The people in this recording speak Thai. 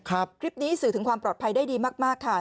คลิปนี้สื่อถึงความปลอดภัยได้ดีมากค่ะ